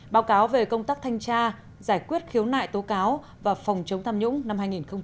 báo cáo về công tác thanh tra giải quyết khiếu nại tố cáo và phòng chống tham nhũng năm hai nghìn hai mươi